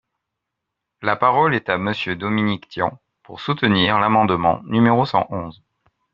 La parole est à Monsieur Dominique Tian, pour soutenir l’amendement numéro cent onze.